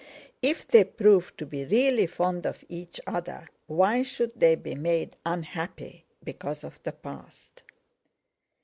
If they prove to be really fond of each other, why should they be made unhappy because of the past?"